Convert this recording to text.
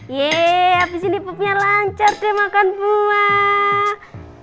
yee abis ini pupnya lancar deh makan buah